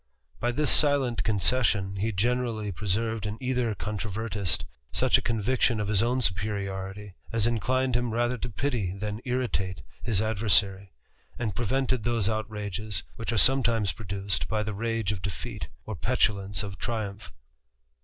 By this silent concession, he generally preserved in either controvertist such a conviction of his own superiority^ ^ inclined him rather to pity than irritate his adversary, and prevented those outrages which are sometimes produced by the rage of defeat, or petulance of triumph.